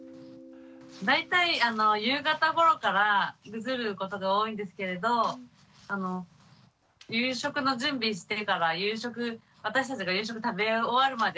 大体夕方ごろからぐずることが多いんですけれど夕食の準備してから私たちが夕食食べ終わるまで。